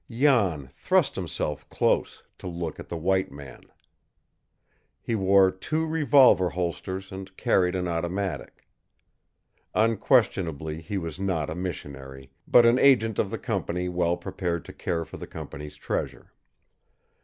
Jan thrust himself close to look at the white man. He wore two revolver holsters and carried an automatic. Unquestionably he was not a missionary, but an agent of the company well prepared to care for the company's treasure.